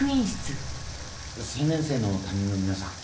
３年生の担任の皆さん。